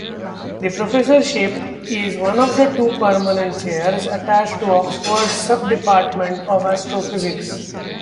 The professorship is one of two permanent chairs attached to Oxford's Sub-Department of Astrophysics.